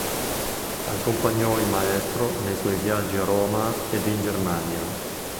Accompagnò il maestro nei suoi viaggi a Roma ed in Germania.